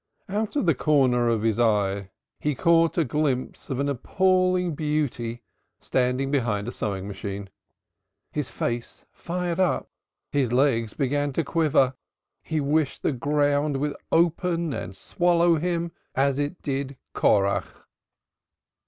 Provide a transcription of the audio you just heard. Out of the corners of his eyes he caught a glimpse of an appalling beauty standing behind a sewing machine. His face fired up, his legs began to quiver, he wished the ground would open and swallow him as it did Korah.